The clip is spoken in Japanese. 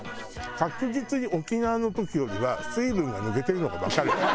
確実に沖縄の時よりは水分が抜けてるのがわかる。